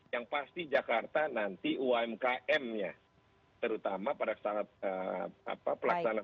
yang pasti jakarta nanti umkm nya terutama pada saat pelaksanaan